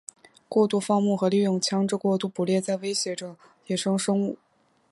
过度放牧和利用枪枝过度捕猎在威胁着野生生物。